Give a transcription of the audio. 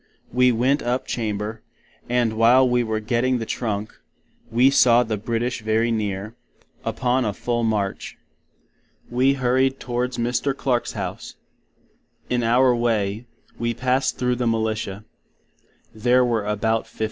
We went up Chamber; and while we were giting the Trunk, we saw the British very near, upon a full March. We hurried to wards Mr. Clark's House. In our way, we passed through the Militia. There were about 50.